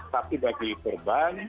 tapi bagi korban